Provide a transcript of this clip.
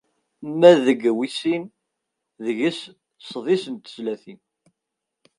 Ma deg wis sin, deg-s sḍis n tezlatin.